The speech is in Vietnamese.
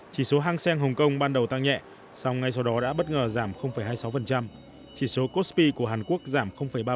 chỉ số hang seng hong kong ban đầu tăng nhẹ sau ngay sau đó đã bất ngờ giảm hai mươi sáu chỉ số kospi của hàn quốc giảm ba mươi bảy